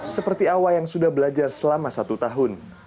seperti awa yang sudah belajar selama satu tahun